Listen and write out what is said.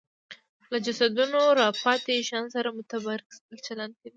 له جسدونو راپاتې شیانو سره متبرک چلند کوي